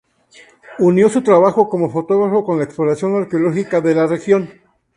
Unió su trabajo como fotógrafo con la exploración arqueológica de la región.